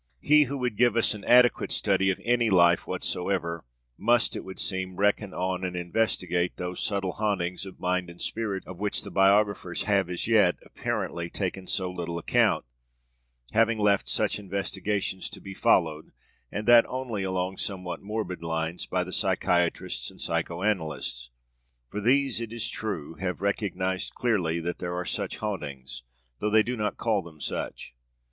He who would give us an adequate study of any life whatsoever must, it would seem, reckon on and investigate those subtle hauntings of mind and spirit of which the biographers have as yet, apparently, taken so little account, having left such investigations to be followed, and that only along somewhat morbid lines, by the psychiatrists and psycho analysts. For these, it is true, have recognized clearly that there are such hauntings, though they do not call them such.